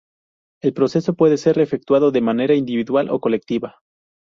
El proceso puede ser efectuado de manera individual o colectiva.